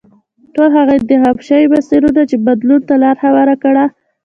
ټول هغه انتخاب شوي مسیرونه چې بدلون ته لار هواره کړه.